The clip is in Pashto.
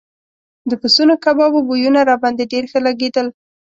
د پسونو کبابو بویونه راباندې ډېر ښه لګېدل.